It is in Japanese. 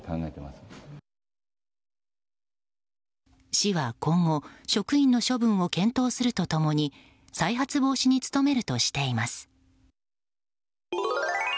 市は、今後職員の処分を検討すると共に再発防止に努めるとしています。